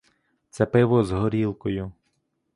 Це пиво з горілкою.